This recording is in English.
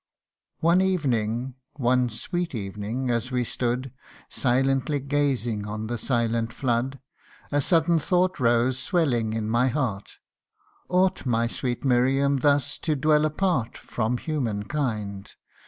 " One evening one sweet evening, as we stood, Silently gazing on the silent flood : A sudden thought rose swelling in my heart : Ought my sweet Miriam thus to dwell apart From human kind